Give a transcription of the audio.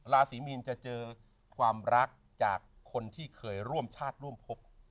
ราศีมีนจะเจอความรักจากคนที่เคยร่วมชาติร่วมพบ